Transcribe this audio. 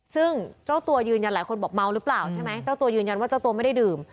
ซึ่งเจ้าตัวยืนยันหลายคนบอกเมาหรือเปล่าใช่ไหมเจ้าตัวยืนยันว่าเจ้าตัวไม่ได้ดื่ม